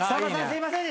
すいません